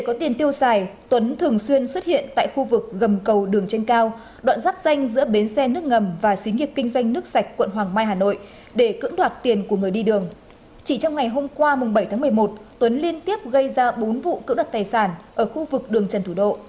chỉ trong hôm qua bảy tháng một mươi một tuấn liên tiếp gây ra bốn vụ cưỡng đất tài sản ở khu vực đường trần thủ độ